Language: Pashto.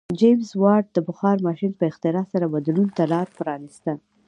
جېمز واټ د بخار ماشین په اختراع سره بدلون ته لار پرانیسته.